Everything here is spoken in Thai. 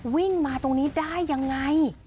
วิ่งมาตรงนี้ได้ยังไง